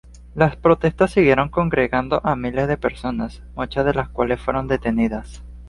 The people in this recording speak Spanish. Las protestas siguieron congregando a miles de personas, muchas de las cuales fueron detenidas.